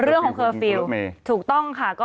เรื่องของเคอร์ฟิลถูกต้องค่ะ